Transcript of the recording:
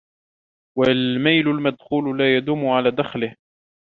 وَالْمَيْلَ الْمَدْخُولَ لَا يَدُومُ عَلَى دَخَلِهِ